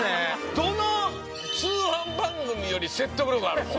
どの通販番組より説得力あるもん。